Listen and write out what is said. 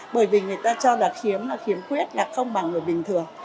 bởi vì người ta cho là kiếm là kiếm khuyết là không bằng người bình thường